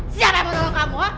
siapa yang mau tolong kamu